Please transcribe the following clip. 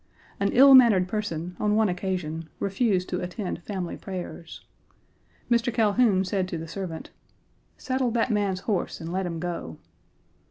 An ill mannered person, on one occasion, refused to attend family prayers. Mr. Calhoun said to the servant, "Saddle that man's horse and let him go."